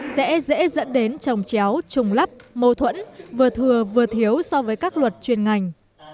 sẽ dễ dẫn đến trồng chéo trùng lắp mâu thuẫn vừa thừa vừa thiếu so với các luật chuyên ngành